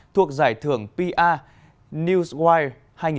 thuộc giải thưởng pa newswire hai nghìn hai mươi